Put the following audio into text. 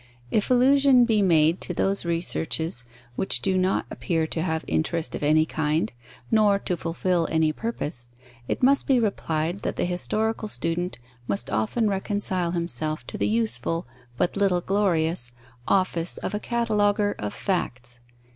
If allusion be made to those researches which do not appear to have interest of any kind, nor to fulfil any purpose, it must be replied that the historical student must often reconcile himself to the useful, but little glorious, office of a cataloguer of facts.